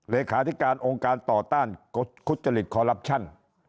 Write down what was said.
เลขาธิการองค์การต่อต้านทุจริตคอลลับชั่น